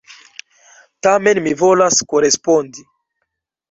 Tamen mi volas korespondi.